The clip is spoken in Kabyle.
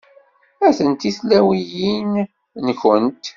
Atenti tlawiyin-nwent.